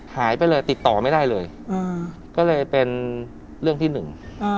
หายไปเลยติดต่อไม่ได้เลยอืมก็เลยเป็นเรื่องที่หนึ่งอ่า